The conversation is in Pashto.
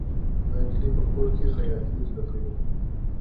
دا نجلۍ په کور کې خیاطي زده کوي.